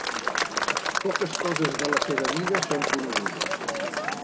Poques coses de la seva vida són conegudes.